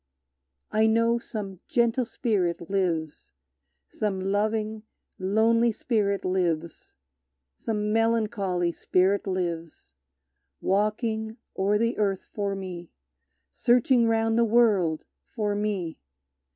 I know some gentle spirit lives, Some loving, lonely spirit lives, Some melancholy spirit lives, Walking o'er the earth for me, Searching round the world for me!